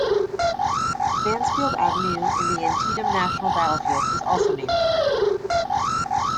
Mansfield Avenue in the Antietam National Battlefield was also named for him.